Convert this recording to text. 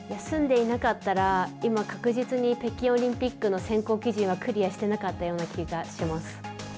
休んでいなかったら今、確実に北京オリンピックの選考基準はクリアしてなかったような気がします。